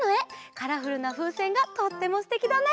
カラフルなふうせんがとってもすてきだね。